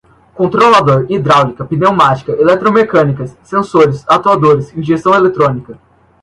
Controlador, hidráulica, pneumática, eletromecânicas, sensores, atuadores, injeção eletrônica